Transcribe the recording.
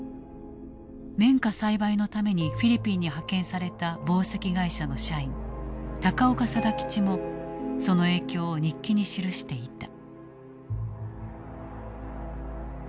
綿花栽培のためにフィリピンに派遣された紡績会社の社員高岡定吉もその影響を日記に記していた。